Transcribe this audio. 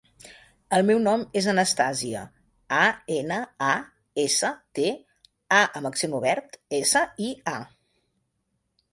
El meu nom és Anastàsia: a, ena, a, essa, te, a amb accent obert, essa, i, a.